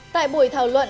tại buổi thảo luận